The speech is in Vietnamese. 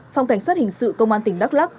phòng cảnh sát hình sự công an tỉnh đắk lắc